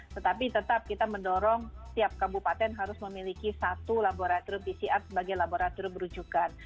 tetapi tetap kita mendorong tiap kabupaten harus memiliki satu laboratorium pcr sebagai laboratorium berujukan